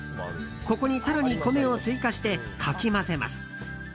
ここに更に米を追加して、かき混ぜます。